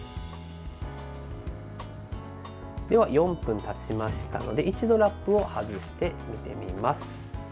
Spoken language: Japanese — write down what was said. では、４分たちましたので一度ラップを外して見てみます。